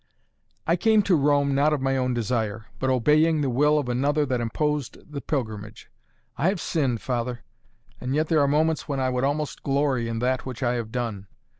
"I came to Rome not of my own desire, but obeying the will of another that imposed the pilgrimage. I have sinned, father and yet there are moments, when I would almost glory in that which I have done.